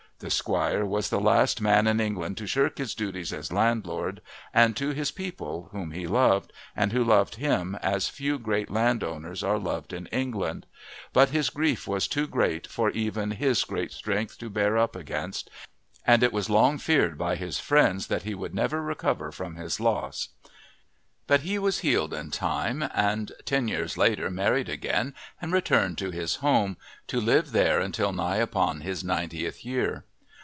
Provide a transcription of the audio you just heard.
The squire was the last man in England to shirk his duties as landlord and to his people whom he loved, and who loved him as few great landowners are loved in England, but his grief was too great for even his great strength to bear up against, and it was long feared by his friends that he would never recover from his loss. But he was healed in time, and ten years later married again and returned to his home, to live there until nigh upon his ninetieth year.